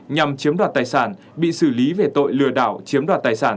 nhằm chiếm đoạt tài sản bị xử lý về tội lừa đảo chiếm đoạt tài sản